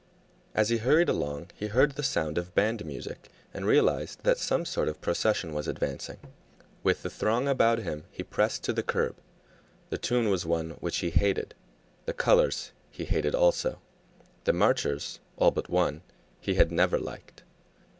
As he hurried along he heard the sound of band music, and realized that some sort of a procession was advancing. With the throng about him he pressed to the curb. The tune was one which he hated; the colors he hated also; the marchers, all but one, he had never liked.